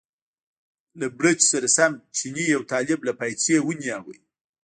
له بړچ سره سم چیني یو طالب له پایڅې ونیوه.